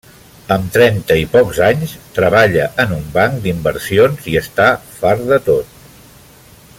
Amb trenta i pocs anys, treballa en un banc d’inversions i està fart de tot.